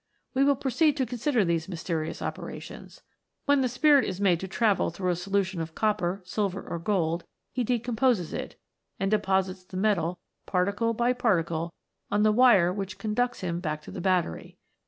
We will proceed to consider these mys ;erious operations. When the Spirit is made to ;ravel through a solution of copper, silver, or gold, le decomposes it, and deposits the metal, particle by Darticle, on the wire which conducts him back to ,he battery.